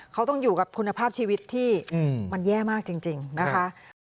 เขาต้องอยู่กับคุณภาพชีวิตที่มันแย่มากจริงนะคะ